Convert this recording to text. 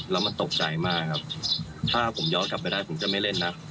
แล้วมันตกใจมากครับถ้าผมย้อนกลับไปได้ผมจะไม่เล่นนะ